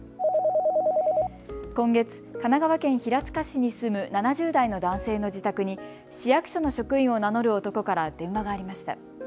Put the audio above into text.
今月、神奈川県平塚市に住む７０代の男性の自宅に市役所の職員を名乗る男から電話がありました。